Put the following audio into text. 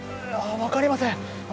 いや分かりません